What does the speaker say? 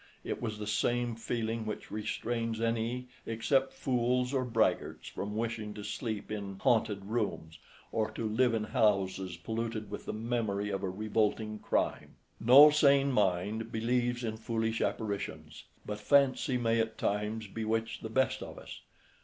It was the same feeling which restrains any except fools or braggarts from wishing to sleep in "haunted" rooms, or to live in houses polluted with the memory of a revolting crime. No sane mind believes in foolish apparitions, but fancy may at times bewitch the best of us.